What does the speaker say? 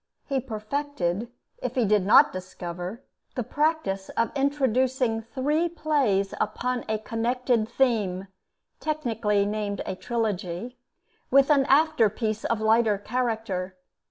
He perfected, if he did not discover, the practice of introducing three plays upon a connected theme (technically named a trilogy), with an after piece of lighter character.